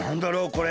これ。